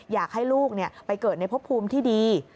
อยากให้ลูกไปเกิดในพบภูมิที่ดี